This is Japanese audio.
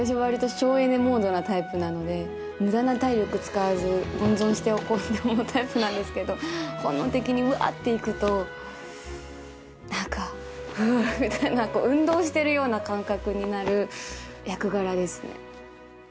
省エネモードなタイプなのでムダな体力使わず温存しておこうって思うタイプなんですけど本能的にウワーッていくと何かフウッみたいな運動してるような感覚になる役柄ですね